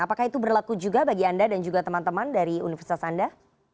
apakah itu berlaku juga bagi anda dan juga teman teman dari universitas anda